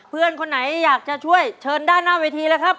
เพื่อนคนไหนอยากจะช่วยเชิญด้านหน้าเวทีเลยครับ